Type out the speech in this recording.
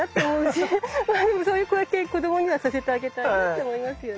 でもこういう経験を子どもにはさせてあげたいねって思いますよね。